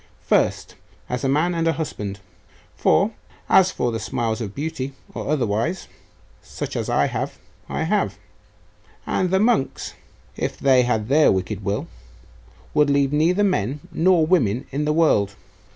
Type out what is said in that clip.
First, as a man and a husband;.... for as for the smiles of beauty, or otherwise, such as I have, I have; and the monks, if they had their wicked will, would leave neither men nor women in the world.